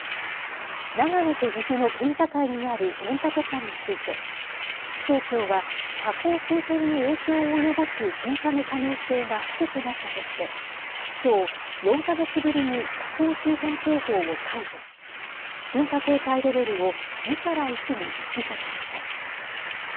長野と岐阜の県境にある御嶽山について気象庁は火口周辺に影響を及ぼす噴火の可能性が低くなったとしてきょう４か月ぶりに火口周辺警報を解除し噴火警戒レベルを２から１に引き下げました。